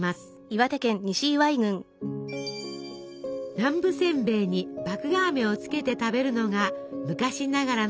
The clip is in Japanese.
南部せんべいに麦芽あめをつけて食べるのが昔ながらの楽しみ方。